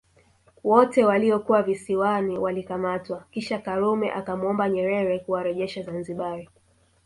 Wote waliokuwa Visiwani walikamatwa kisha Karume akamwomba Nyerere kuwarejesha Zanzibar